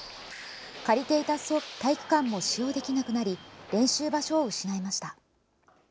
借りていた体育館も使用できなくなり練習場所を失いました。